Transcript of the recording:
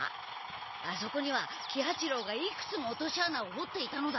あそこには喜八郎がいくつも落とし穴をほっていたのだ。